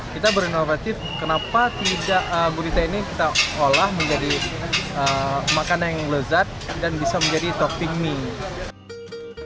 kita berinovatif kenapa tidak gurita ini kita olah menjadi makanan yang lezat dan bisa menjadi topping mie